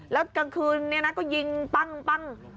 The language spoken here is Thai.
แล้วกลางคืนก็ยิงปั้ง